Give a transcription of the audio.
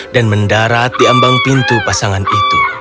dan mendarat di ambang pintu pasangan itu